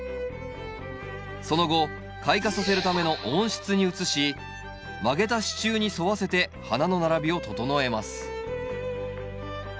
その後開花させるための温室に移し曲げた支柱に沿わせて花の並びを整えます